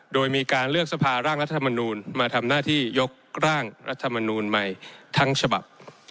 โดยมีการเลือกสภาร่างรัฐธรรมนูลมาทำหน้าที่ยกร่างรัฐมนูลใหม่ทั้งฉบับ